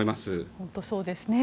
本当にそうですね。